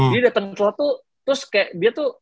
dia datangnya telat tuh terus dia tuh